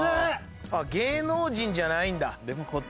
芸能人じゃないんだ。